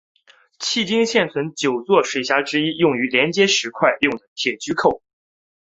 迄今现存九座水闸之一的用于连接石块用的铁锔扣。